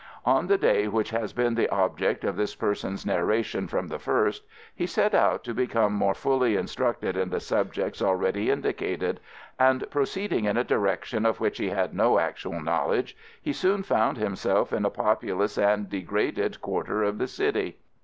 On the day which has been the object of this person's narration from the first, he set out to become more fully instructed in the subjects already indicated, and proceeding in a direction of which he had no actual knowledge, he soon found himself in a populous and degraded quarter of the city.